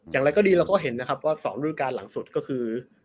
อย่างไรก็ดีเราก็เห็นนะครับว่า๒รูปการณ์หลังสุดก็คือ